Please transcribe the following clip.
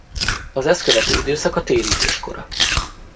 Az ezt követő időszak a térítés kora.